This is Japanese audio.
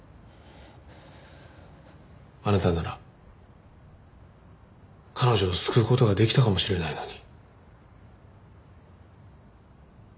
あなたなら彼女を救う事ができたかもしれないのに。